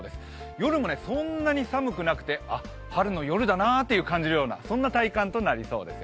夜もそんなに寒くなくてあっ、春の夜だなと感じるぐらいの体感となりそうです。